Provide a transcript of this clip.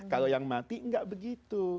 kalau yang mati nggak begitu